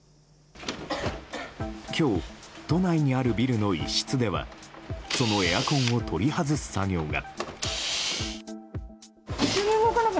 今日、都内にあるビルの一室ではそのエアコンを取り外す作業が。